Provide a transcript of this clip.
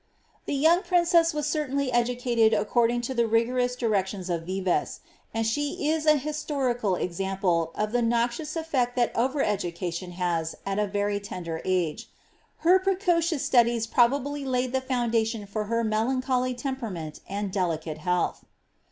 The young princess was certainly educated according to the rigoron directions of Vives, and she is an historical example of the noxiooi effect that over education has at a very tender age. Her precociou studies probably laid the foundation for her melancholy tempeiameni and delicate health.